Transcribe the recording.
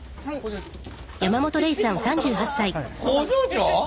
工場長？